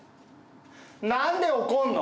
何で怒んの？